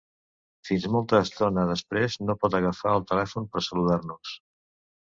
Fins molta estona després no pot agafar el telèfon per saludar-nos.